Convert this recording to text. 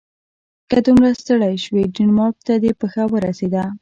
که دومره ستړی شوې ډنمارک ته دې پښه ورسیده.